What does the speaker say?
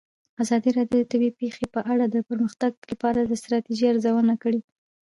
ازادي راډیو د طبیعي پېښې په اړه د پرمختګ لپاره د ستراتیژۍ ارزونه کړې.